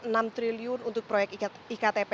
rp enam triliun untuk proyek iktp